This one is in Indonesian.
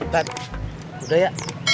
tat udah ya